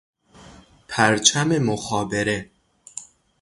پرچم مخابره